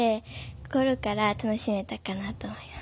心から楽しめたかなと思います。